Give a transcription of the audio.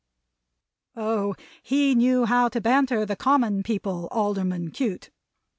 Oh, he knew how to banter the common people, Alderman Cute!